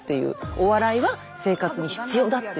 お笑いは生活に必要だっていう。